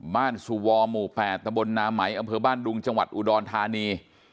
บ้านสวหมู่๘ตะบนนาไหมอำเภอบ้านดุงจังหวัดอุดรธานี